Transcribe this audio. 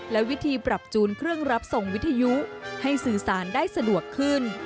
และวิธีปรับจูนเครื่องรับส่งวิทยุให้สื่อสารได้สะดวกขึ้น